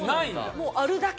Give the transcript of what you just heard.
もうあるだけ？